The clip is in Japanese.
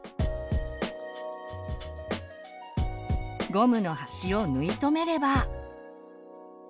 ゴムの端を縫い留めれば。